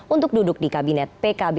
untuk duduk di kabinet pkb